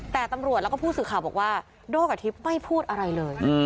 แต่ตำรวจแล้วก็ผู้สื่อข่าวบอกว่าโด่กับทิพย์ไม่พูดอะไรเลย